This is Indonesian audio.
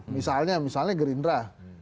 misalnya misalnya gerindra